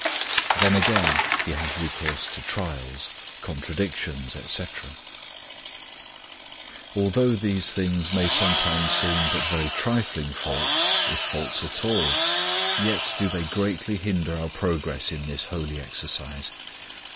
Then, again, he has recourse to trials, contradictions, etc. Although these things may sometimes seem but very trifling faults, if faults at all, yet do they greatly hinder our progress in this holy exercise.